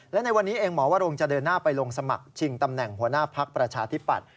และในวันนี้เองหมอวรงจะเดินหน้าไปลงสมัครชิงตำแหน่งหัวหน้าพักประชาธิปัตย